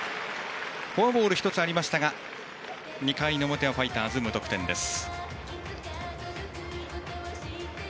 フォアボールが１つありましたが２回の表はファイターズ無得点です。